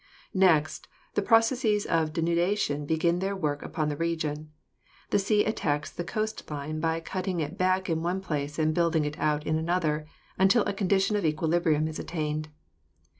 Next, the processes of denudation begin their work upon the region. The sea attacks the coast line by cut ting it back in one place and building it out in another until a condition of equilibrium is attained.